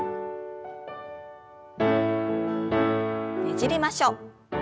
ねじりましょう。